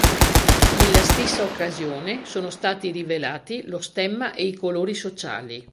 Nella stessa occasione sono stati rivelati lo stemma e i colori sociali.